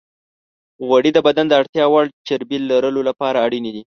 غوړې د بدن د اړتیا وړ چربی لرلو لپاره اړینې دي.